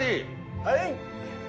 はい！